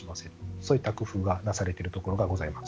そういった工夫がなされているところがございます。